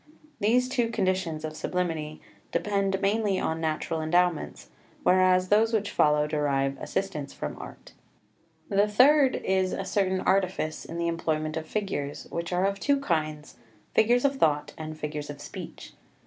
These two conditions of sublimity depend mainly on natural endowments, whereas those which follow derive assistance from Art. The third is (3) a certain artifice in the employment of figures, which are of two kinds, figures of thought and figures of speech.